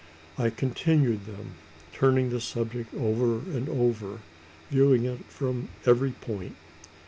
I continued them turning the subject over and over viewing it from every point.